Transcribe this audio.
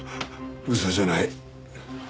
嘘じゃない。